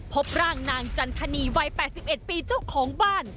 พบร่างนางจันทนีวัย๘๑ปีเจ้าของบ้าน